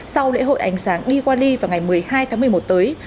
sau lễ hội ánh sáng diwali vào ngày một mươi hai tháng một mươi một tới